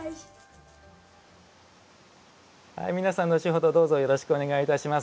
皆さん後ほどどうぞよろしくお願いします。